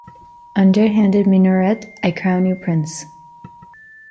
Underhanded Minoret, I crown you Prince.